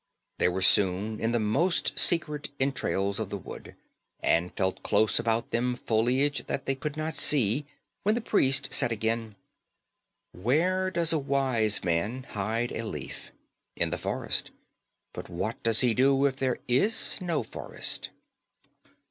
They were soon in the most secret entrails of the wood, and felt close about them foliage that they could not see, when the priest said again: "Where does a wise man hide a leaf? In the forest. But what does he do if there is no forest?"